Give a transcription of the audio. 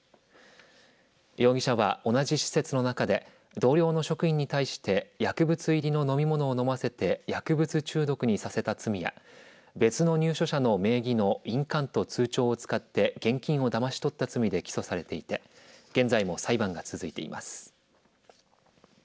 容疑者は同じ施設の中で同僚の職員に対して薬物入りの飲み物を飲ませて薬物中毒にさせた罪や別の入所者の名義の印鑑と通帳を使って現金をだまし取った罪で起訴されていて現在も裁判が続いています。